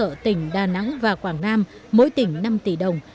hải phòng hỗ trợ tỉnh đà nẵng và quảng nam mỗi tỉnh năm tỷ đồng